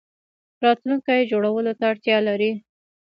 راتلونکی جوړولو ته اړتیا لري